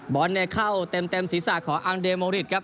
บอร์นเนคเข้าเต็มศีรษะของอังเดมอริทครับ